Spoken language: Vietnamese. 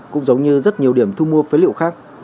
cũng giống như rất nhiều điểm thu mua phế liệu khác